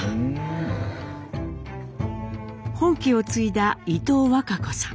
本家を継いだ伊藤わか子さん。